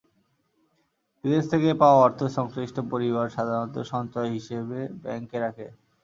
বিদেশ থেকে পাওয়া অর্থ সংশ্লিষ্ট পরিবার সাধারণত সঞ্চয় হিসেবে ব্যাংকে রাখে।